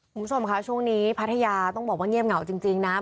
คุณผู้ชมค่ะช่วงนี้พัทยาต้องบอกว่าเงียบเหงาจริงนะ